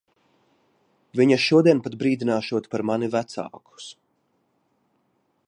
Viņa šodien pat brīdināšot par mani vecākus.